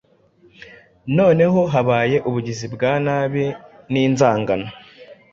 Noneho habaye ubugizi bwa nabi ninzangano